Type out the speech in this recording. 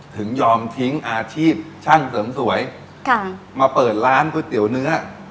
ถึงยอมทิ้งอาชีพช่างเสริมสวยค่ะมาเปิดร้านก๋วยเตี๋ยวเนื้อ